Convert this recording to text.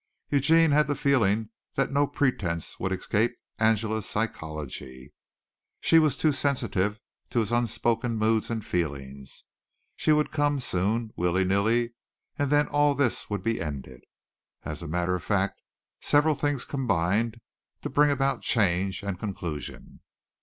Eugene had the feeling that no pretence would escape Angela's psychology. She was too sensitive to his unspoken moods and feelings. She would come soon, willynilly, and then all this would be ended. As a matter of fact several things combined to bring about change and conclusion.